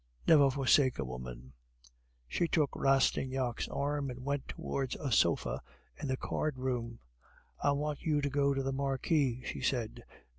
Never forsake a woman." She took Rastignac's arm, and went towards a sofa in the card room. "I want you to go to the Marquis," she said.